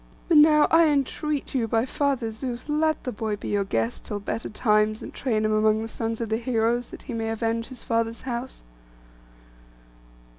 But now I entreat you by Father Zeus, let the boy be your guest till better times, and train him among the sons of the heroes, that he may avenge his father's house.